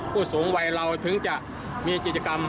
ผู้สูงวัยเราถึงจะมีกิจกรรม